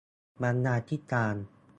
บรรณาธิการ